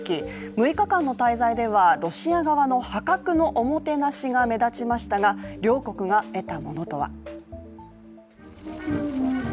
６日間の滞在では、ロシア側の破格のおもてなしが目立ちましたが両国が得たものとは。